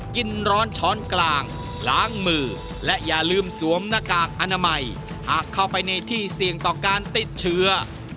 กินร้อนช้อนกลางล้างมือและอย่าลืมสวมหน้ากากอนามัยหากเข้าไปในที่เสี่ยงต่อการติดเชื้อ